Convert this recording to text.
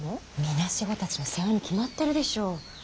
孤児たちの世話に決まってるでしょう。